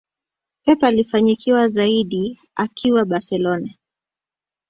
Pep alifanikiwa zaidi akiwa barcelona